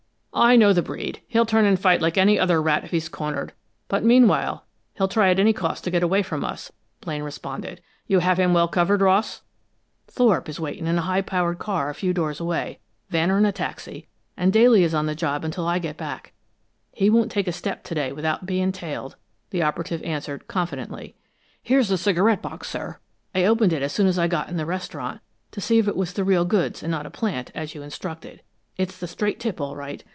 "I know the breed. He'll turn and fight like any other rat if he's cornered, but meanwhile he'll try at any cost to get away from us," Blaine responded. "You have him well covered, Ross?" "Thorpe is waiting in a high powered car a few doors away, Vanner in a taxi, and Daly is on the job until I get back. He won't take a step to day without being tailed," the operative answered, confidently. "Here's the cigarette box, sir. I opened it as soon as I got in the restaurant, to see if it was the real goods and not a plant, as you instructed. It's the straight tip, all right.